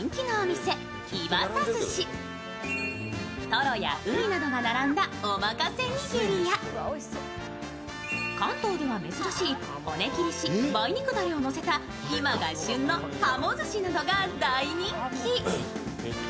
とろや、うになどが並んだおまかせ握りや関東では珍しい骨切りし、梅肉だれのせた今が旬の鱧寿しなどが大人気。